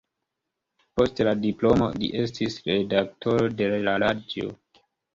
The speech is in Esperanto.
Post la diplomo li estis redaktoro de la Radio.